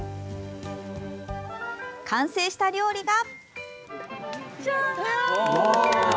完成した料理が。